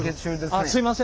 あっすいません。